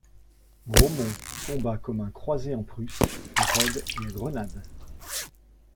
Grosmont combat comme croisé en Prusse, à Rhodes et à Grenade.